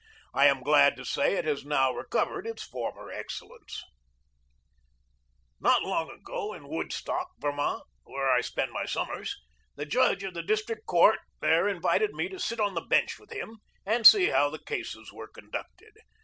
I am glad to say it has now recovered its former excellence. 8 GEORGE DEWEY Not long ago in Woodstock, Vermont, where I spend my summers, the judge of the district court there invited me to sit on the bench with him and see how the cases were conducted.